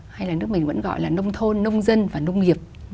hay là nước mình vẫn gọi là nông thôn nông dân và nông nghiệp